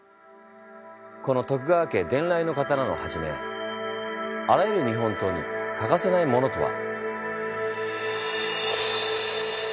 この徳川家伝来の刀をはじめあらゆる日本刀に欠かせないものとは。